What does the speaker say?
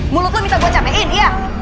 mulut lu minta gue capekin iya